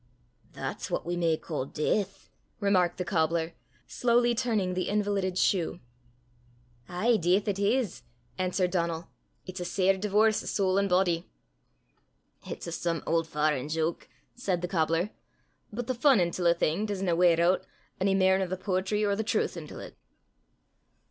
"That's what we may ca' deith!" remarked the cobbler, slowly turning the invalided shoe. "Ay, deith it is," answered Donal; "it's a sair divorce o' sole an' body." "It's a some auld farrand joke," said the cobbler, "but the fun intil a thing doesna weir oot ony mair nor the poetry or the trowth intil 't."